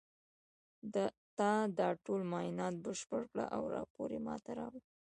تا دا ټول معاینات بشپړ کړه او راپور یې ما ته راوړه